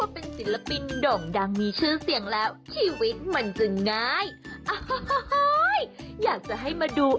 โปรดติดตามตอนต่อไป